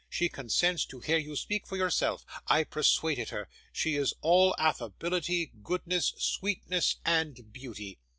She consents to hear you speak for yourself. I persuaded her. She is all affability, goodness, sweetness, and beauty.